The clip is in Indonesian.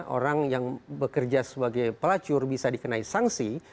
orang yang bekerja sebagai pelacur bisa dikenai sanksi